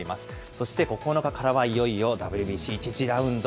そして９日からはいよいよＷＢＣ１次ラウンド。